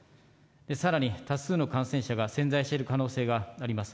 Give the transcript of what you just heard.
さらに多数の感染者が潜在している可能性があります。